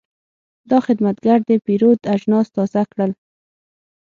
دا خدمتګر د پیرود اجناس تازه کړل.